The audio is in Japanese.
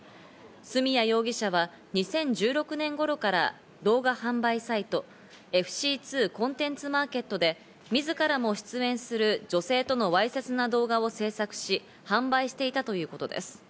角谷容疑者は２０１６年ごろから動画販売サイト、ＦＣ２コンテンツマーケットで自らも出演する女性とのわいせつな動画を制作し販売していたということです。